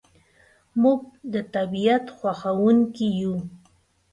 موږ د طبیعت خوښونکي یو.